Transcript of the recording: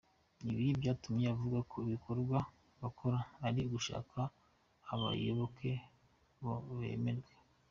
Ibi byatumye avuga ko ibikorwa bakora ari ugushaka abayoboke ngo bemerwe.